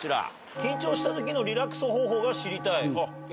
緊張したときのリラックス方法が知りたい。